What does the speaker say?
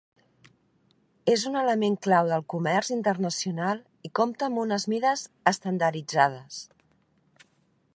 És un element clau del comerç internacional i compta amb unes mides estandarditzades.